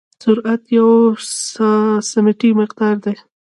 سرعت یو سمتي مقدار دی.